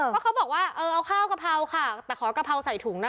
ก็เขาบอกว่าเอาข้าวกะเพราคะแต่ขอกระเภาใส่ถุงนะคะ